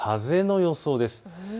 風の予想です。